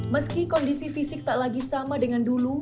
meski kondisi fisik tak lagi sama dengan dulu